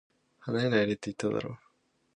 離れないでって、言っただろ